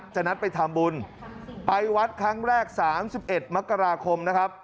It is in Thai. นัดไปทำบุญไปวัดครั้งแรก๓๑มกราคมนะครับ